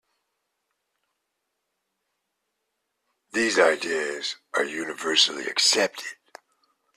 These ideas are universally accepted.